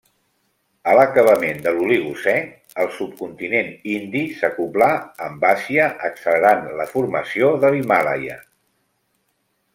A l'acabament de l'oligocè, el subcontinent indi s'acoblà amb Àsia, accelerant la formació de l'Himàlaia.